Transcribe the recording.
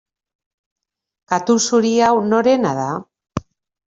Katu zuri hau norena da?